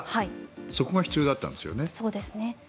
そこが必要だったんですよね。